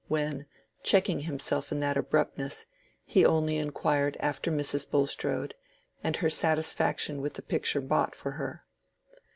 when, checking himself in that abruptness, he only inquired after Mrs. Bulstrode, and her satisfaction with the picture bought for her.